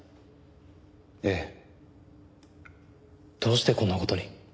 ええ。どうしてこんな事に？